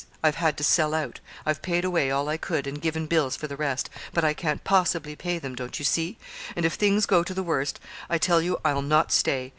I've had to sell out. I've paid away all I could, and given bills for the rest; but I can't possibly pay them, don't you see; and if things go to the worst, I tell you I'll not stay.